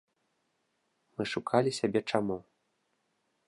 Мы шукалі сябе чаму.